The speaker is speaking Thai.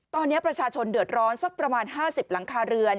ตอนนี้ประชาชนเดือดร้อนสักประมาณ๕๐หลังคาเรือน